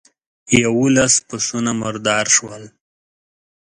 يوولس پسونه مردار شول.